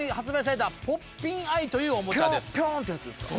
ピョンピョンってやつですか？